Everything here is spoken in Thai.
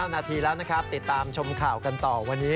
นาทีแล้วนะครับติดตามชมข่าวกันต่อวันนี้